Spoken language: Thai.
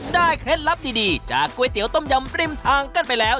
เคล็ดลับดีจากก๋วยเตี๋ต้มยำริมทางกันไปแล้ว